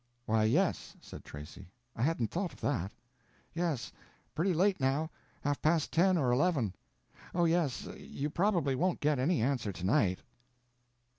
"Why yes," said Tracy, "I hadn't thought of that." "Yes, pretty late, now, half past ten or eleven. Oh yes, you probably won't get any answer to night."